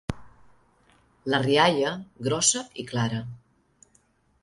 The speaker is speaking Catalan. La rialla, grossa i clara.